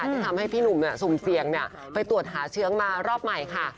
ที่ทำให้พี่หนุ่มสุ่มเสี่ยงไปตรวจหาเชื้อมารอบใหม่ค่ะ